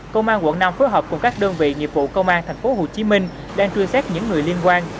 công an quận năm phối hợp cùng các đơn vị nghiệp vụ công an tp hcm đang truy xét những người liên quan